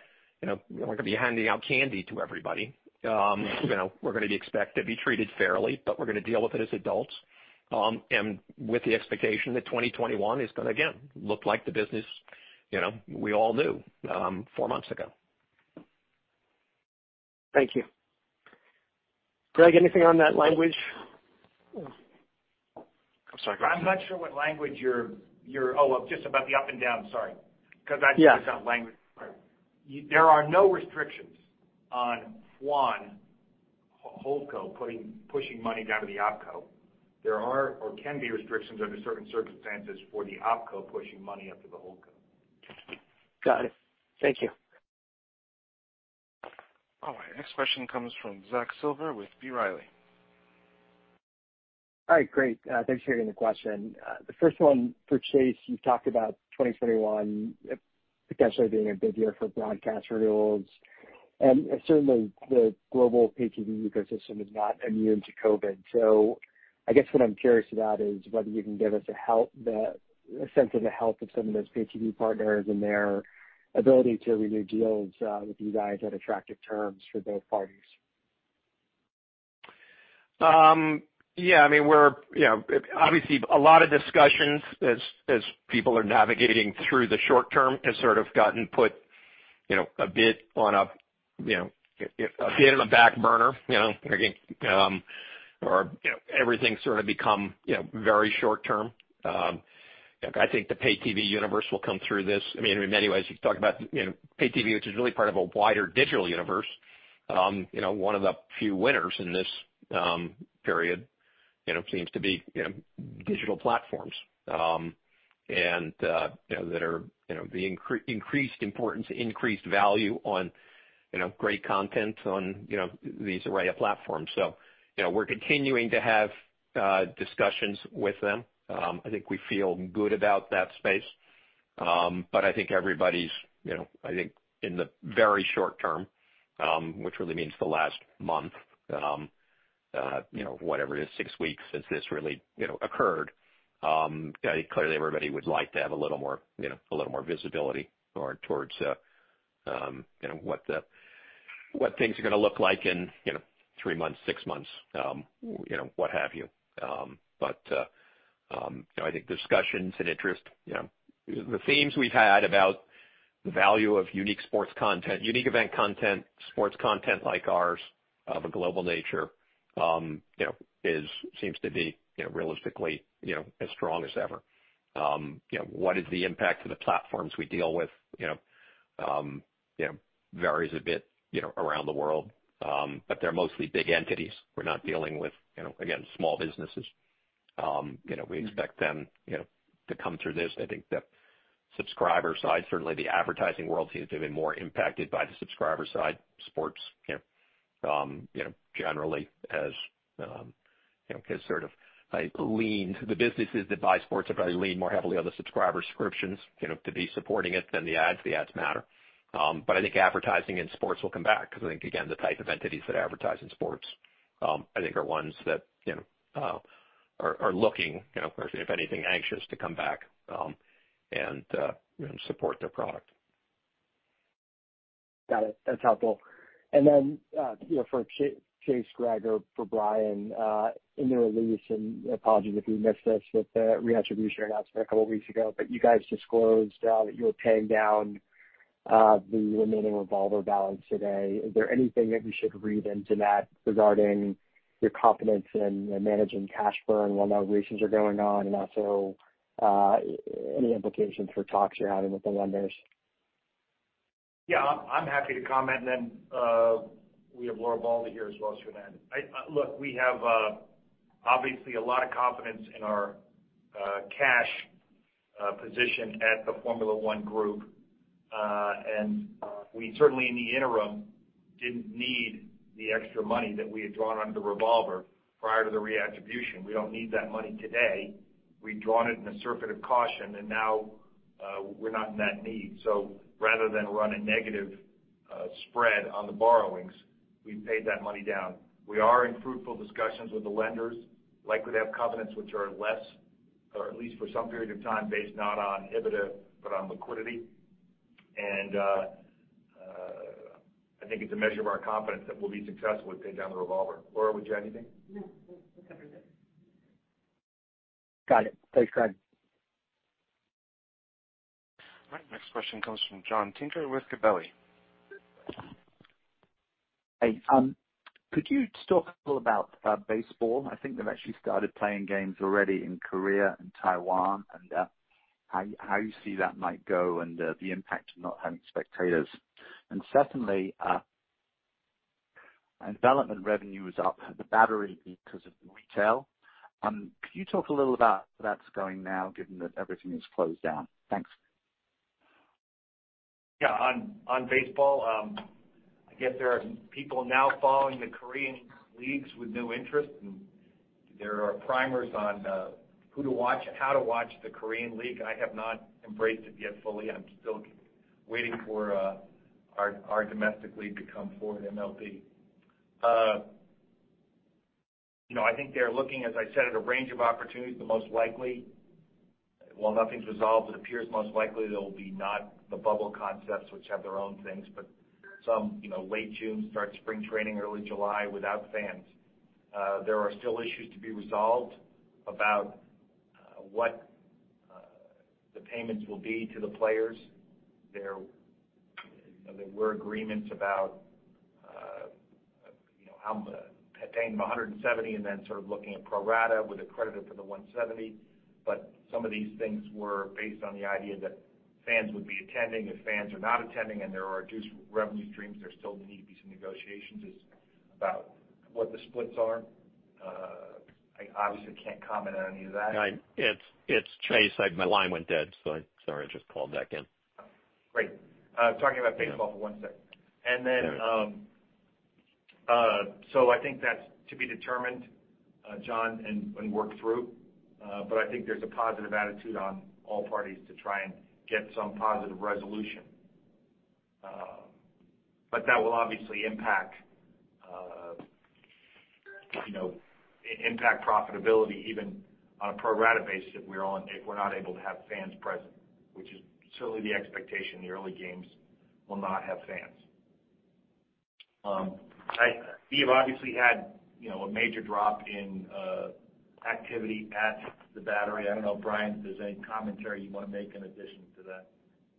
to be handing out candy to everybody. We're going to expect to be treated fairly, but we're going to deal with it as adults, and with the expectation that 2021 is going to, again, look like the business we all knew four months ago. Thank you. Greg, anything on that language? I'm sorry. Oh, just about the up and down, sorry. Yeah heard something language. There are no restrictions on one HoldCo pushing money down to the OpCo. There are or can be restrictions under certain circumstances for the OpCo pushing money up to the HoldCo. Got it. Thank you. All right. Next question comes from Zack Silver with B. Riley. All right, great. Thanks for taking the question. The first one for Chase, you talked about 2021 potentially being a big year for broadcast renewals, and certainly the global pay-TV ecosystem is not immune to COVID-19. I guess what I'm curious about is whether you can give us a sense of the health of some of those pay-TV partners and their ability to renew deals with you guys at attractive terms for both parties. Yeah. Obviously, a lot of discussions as people are navigating through the short term has sort of gotten put a bit on a back burner. Everything sort of become very short term. I think the pay TV universe will come through this. In many ways, you can talk about pay TV, which is really part of a wider digital universe. One of the few winners in this period seems to be digital platforms. The increased importance, increased value on great content on these array of platforms. We're continuing to have discussions with them. I think we feel good about that space. I think everybody's in the very short term, which really means the last month, whatever it is, six weeks since this really occurred. Clearly, everybody would like to have a little more visibility towards what things are going to look like in three months, six months, what have you. I think discussions and interest, the themes we've had about the value of unique sports content, unique event content, sports content like ours of a global nature seems to be realistically as strong as ever. What is the impact to the platforms we deal with varies a bit around the world. They're mostly big entities. We're not dealing with small businesses. We expect them to come through this. I think the subscriber side, certainly the advertising world seems to have been more impacted by the subscriber side. The businesses that buy sports have probably leaned more heavily on the subscriber subscriptions to be supporting it than the ads. The ads matter. I think advertising in sports will come back because I think, again, the type of entities that advertise in sports are ones that are looking, if anything, anxious to come back and support their product. Got it. That's helpful. For Chase Carey or for Brian Wendling, in the release, and apologies if you missed this with the reattribution announcement a couple of weeks ago, but you guys disclosed that you were paying down the remaining revolver balance today. Is there anything that we should read into that regarding your confidence in managing cash burn while negotiations are going on? Also any implications for talks you're having with the lenders? Yeah, I'm happy to comment, and then we have Laura Balda here as well, so she can add. Look, we have obviously a lot of confidence in our cash position at the Formula One Group. We certainly in the interim didn't need the extra money that we had drawn under the revolver prior to the reattribution. We don't need that money today. We'd drawn it in a circuit of caution, and now we're not in that need. Rather than run a negative spread on the borrowings, we've paid that money down. We are in fruitful discussions with the lenders, likely to have covenants which are less, or at least for some period of time, based not on EBITDA, but on liquidity. I think it's a measure of our confidence that we'll be successful with paying down the revolver. Laura, would you add anything? No. You covered it. Got it. Thanks, Chase. All right. Next question comes from John Tinker with Gabelli. Hey. Could you talk a little about baseball? I think they've actually started playing games already in Korea and Taiwan, and how you see that might go and the impact of not having spectators. Secondly, development revenue is up the Battery because of the retail. Could you talk a little about how that's going now, given that everything is closed down? Thanks. Yeah. On baseball, I guess there are people now following the Korean leagues with new interest, and there are primers on who to watch and how to watch the Korean league. I have not embraced it yet fully. I'm still waiting for our domestic league to come forward, MLB. I think they're looking, as I said, at a range of opportunities. While nothing's resolved, it appears most likely they'll be not the bubble concepts, which have their own things, but some late June start to spring training, early July without fans. There are still issues to be resolved about what the payments will be to the players. There were agreements about how paying them 170 and then sort of looking at pro rata with a credit for the 170. Some of these things were based on the idea that fans would be attending. If fans are not attending and there are reduced revenue streams, there still need to be some negotiations about what the splits are. I obviously can't comment on any of that. It's Chase. My line went dead, so sorry. I just called back in. Great. Talking about baseball for one second. Yeah. I think that's to be determined, John, and worked through. I think there's a positive attitude on all parties to try and get some positive resolution. That will obviously impact profitability even on a pro rata basis if we're not able to have fans present, which is certainly the expectation in the early games. Will not have fans. We have obviously had a major drop in activity at the Battery. I don't know, Brian, if there's any commentary you want to make in addition to that.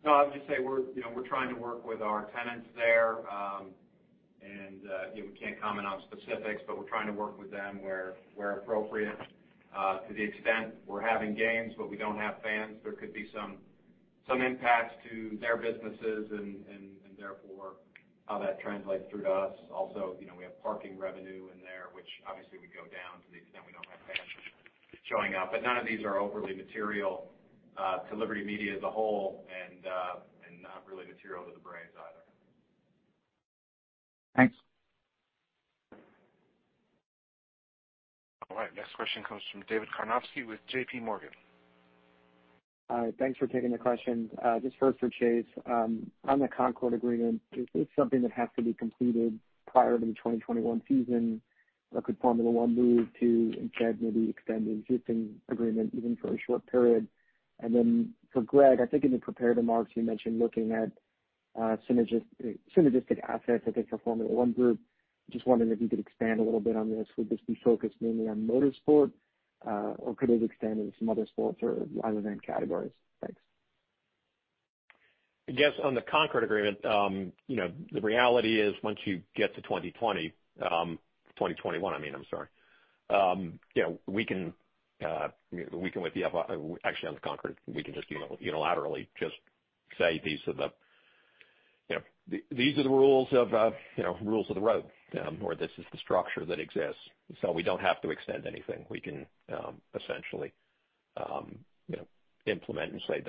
I'll just say we're trying to work with our tenants there. We can't comment on specifics, but we're trying to work with them where appropriate. To the extent we're having games, but we don't have fans, there could be some impact to their businesses and therefore how that translates through to us. Also, we have parking revenue in there, which obviously would go down to the extent we don't have fans showing up. None of these are overly material to Liberty Media as a whole and not really material to the Braves either. Thanks. All right, next question comes from David Karnovsky with JPMorgan. Hi, thanks for taking the question. Just first for Chase. On the Concorde Agreement, is this something that has to be completed prior to the 2021 season? Could Formula One move to instead maybe extend the existing agreement even for a short period? For Greg, I think in the prepared remarks, you mentioned looking at synergistic assets for Formula One Group. Just wondering if you could expand a little bit on this. Would this be focused mainly on motorsport, or could it extend into some other sports or live event categories? Thanks. I guess on the Concorde Agreement, the reality is once you get to 2020, 2021 I mean, I'm sorry, actually on the Concorde, we can just unilaterally just say, these are the rules of the road, or this is the structure that exists. We don't have to extend anything. We can essentially implement and say,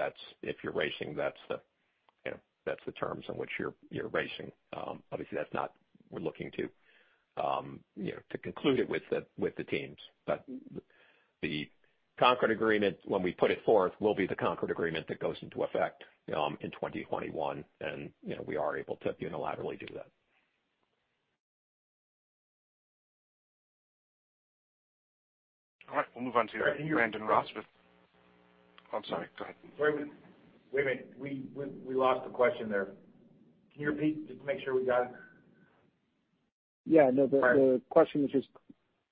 if you're racing, that's the terms on which you're racing. Obviously, that's not we're looking to conclude it with the teams. The Concorde Agreement, when we put it forth, will be the Concorde Agreement that goes into effect in 2021. We are able to unilaterally do that. All right, we'll move on to Brandon Ross. I'm sorry, go ahead. Wait a minute. We lost the question there. Can you repeat just to make sure we got it? Yeah. All right.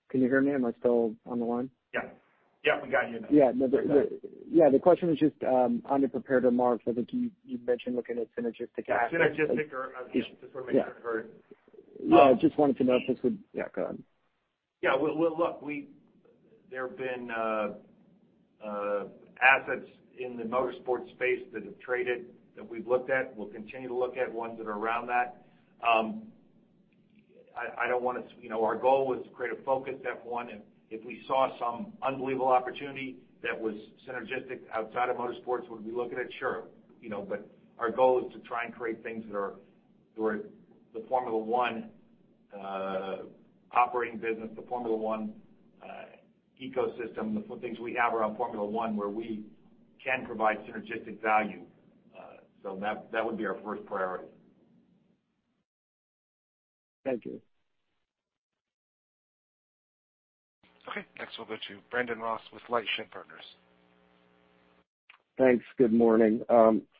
Can you hear me? Am I still on the line? Yeah. We got you now. Yeah. Go ahead. The question was just on the prepared remarks, I think you mentioned looking at synergistic assets. Just want to make sure I heard. Yeah, just wanted to know if this. Yeah, go ahead. Well, look, there have been assets in the motorsport space that have traded that we've looked at. We'll continue to look at ones that are around that. Our goal was to create a focused F1, and if we saw some unbelievable opportunity that was synergistic outside of motorsports, would we look at it? Sure. But our goal is to try and create things that are the Formula One operating business, the Formula One ecosystem, the things we have around Formula One, where we can provide synergistic value. That would be our first priority. Thank you. Okay, next we'll go to Brandon Ross with LightShed Partners. Thanks. Good morning.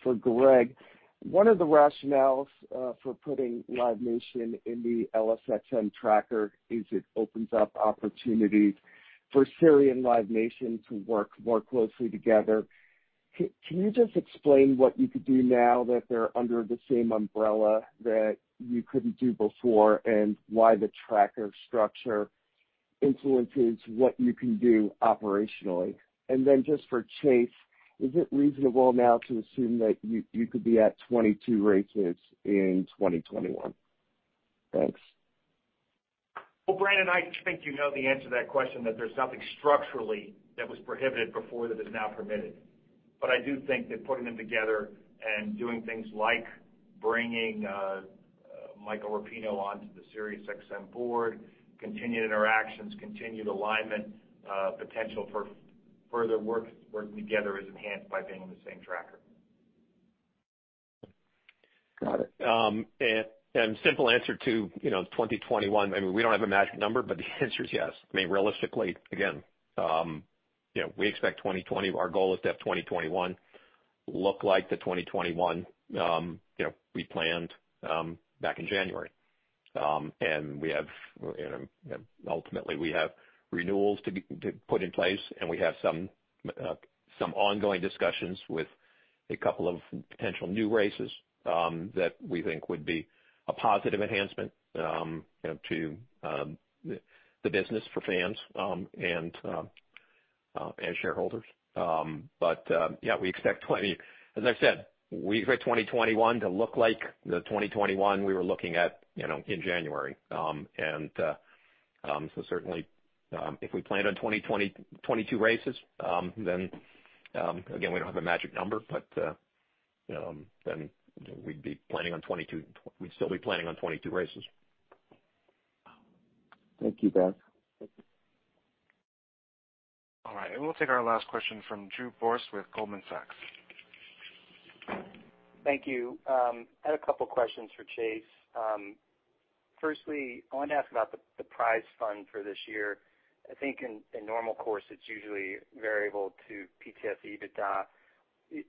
For Greg, one of the rationales for putting Live Nation in the LSXM tracker is it opens up opportunities for Sirius Live Nation to work more closely together. Can you just explain what you could do now that they're under the same umbrella that you couldn't do before, and why the tracker structure influences what you can do operationally? Just for Chase, is it reasonable now to assume that you could be at 22 races in 2021? Thanks. Well, Brandon, I think you know the answer to that question, that there's nothing structurally that was prohibited before that is now permitted. I do think that putting them together and doing things like bringing Michael Rapino onto the SiriusXM board, continued interactions, continued alignment, potential for further work together is enhanced by being on the same tracker. Got it. Simple answer to 2021, we don't have a magic number, but the answer is yes. Realistically, again, our goal is to have 2021 look like the 2021 we planned back in January. Ultimately, we have renewals to put in place, and we have some ongoing discussions with a couple of potential new races that we think would be a positive enhancement to the business for fans and shareholders. Yeah, as I said, we expect 2021 to look like the 2021 we were looking at in January. Certainly, if we planned on 22 races, then again, we don't have a magic number, but then we'd still be planning on 22 races. Thank you, guys. All right. We'll take our last question from Drew Borst with Goldman Sachs. Thank you. I had a couple questions for Chase. I wanted to ask about the prize fund for this year. I think in normal course, it's usually variable to PTS EBITDA.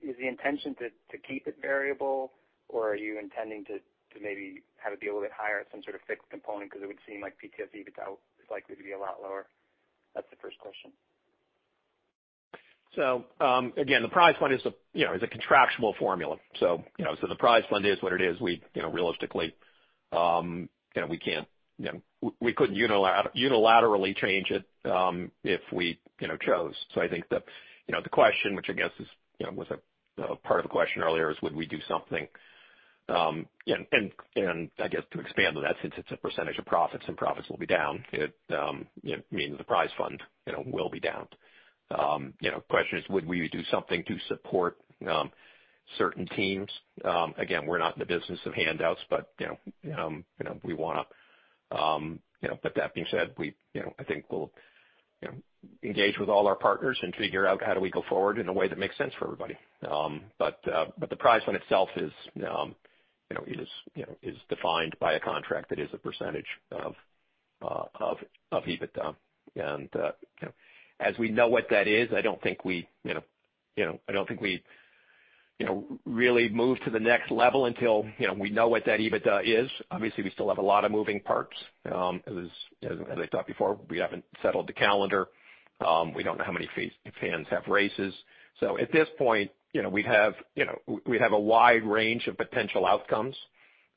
Is the intention to keep it variable, or are you intending to maybe have it be a little bit higher at some sort of fixed component? It would seem like PTS EBITDA is likely to be a lot lower. That's the first question. Again, the prize fund is a contractual formula. The prize fund is what it is. Realistically, we couldn't unilaterally change it if we chose. I think the question, which I guess was a part of the question earlier, is would we do something? I guess to expand on that, since it's a percentage of profits and profits will be down, it means the prize fund will be down. Question is, would we do something to support certain teams? Again, we're not in the business of handouts, but that being said, I think we'll engage with all our partners and figure out how do we go forward in a way that makes sense for everybody. The prize fund itself is defined by a contract that is a percentage of EBITDA. As we know what that is, I don't think we'd really move to the next level until we know what that EBITDA is. Obviously, we still have a lot of moving parts. As I thought before, we haven't settled the calendar. We don't know how many fans have races. At this point, we have a wide range of potential outcomes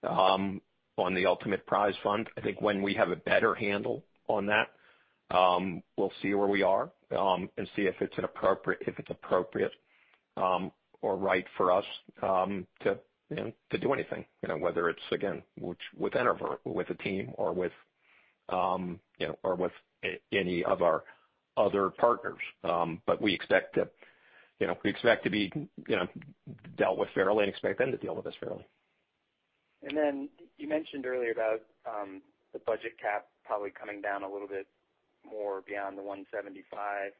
on the ultimate prize fund. I think when we have a better handle on that, we'll see where we are and see if it's appropriate or right for us to do anything, whether it's, again, with Enerver, with a team or with any of our other partners. We expect to be dealt with fairly and expect them to deal with us fairly. You mentioned earlier about the budget cap probably coming down a little bit more beyond the 175.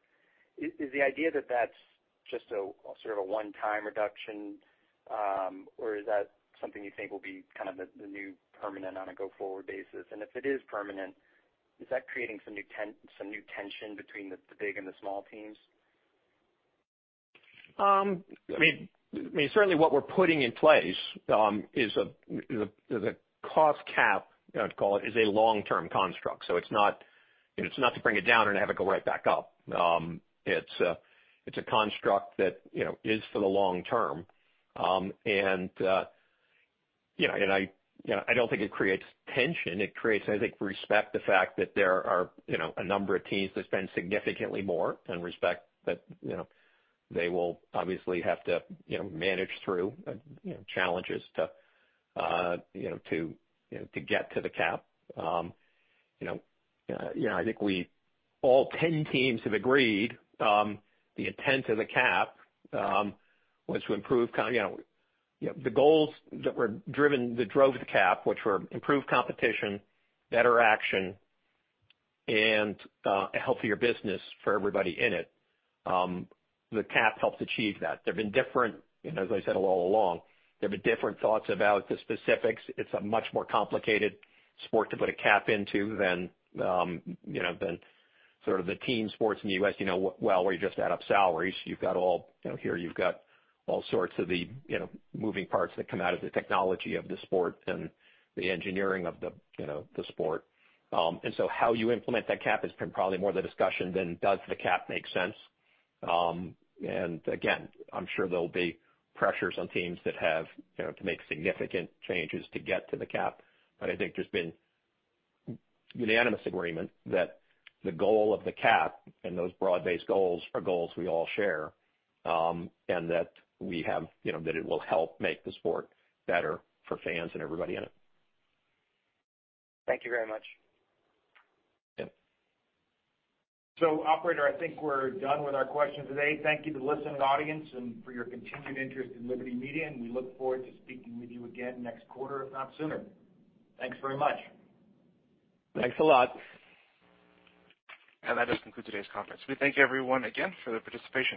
Is the idea that that's just sort of a one-time reduction, or is that something you think will be kind of the new permanent on a go-forward basis? If it is permanent, is that creating some new tension between the big and the small teams? I mean, certainly what we're putting in place is a cost cap, I'd call it, is a long-term construct. It's not to bring it down and have it go right back up. It's a construct that is for the long term. I don't think it creates tension. It creates, I think, respect the fact that there are a number of teams that spend significantly more and respect that they will obviously have to manage through challenges to get to the cap. I think all 10 teams have agreed the intent of the cap was to improve. The goals that drove the cap, which were improved competition, better action, and a healthier business for everybody in it. The cap helps achieve that. There've been different, as I said all along, there've been different thoughts about the specifics. It's a much more complicated sport to put a cap into than sort of the team sports in the U.S. Well, where you just add up salaries, here you've got all sorts of the moving parts that come out of the technology of the sport and the engineering of the sport. How you implement that cap has been probably more the discussion than does the cap make sense. Again, I'm sure there'll be pressures on teams that have to make significant changes to get to the cap. I think there's been unanimous agreement that the goal of the cap and those broad-based goals are goals we all share, and that it will help make the sport better for fans and everybody in it. Thank you very much. Yeah. Operator, I think we're done with our questions today. Thank you to the listening audience and for your continued interest in Liberty Media, we look forward to speaking with you again next quarter, if not sooner. Thanks very much. Thanks a lot. That does conclude today's conference. We thank everyone again for their participation.